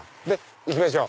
行きましょう。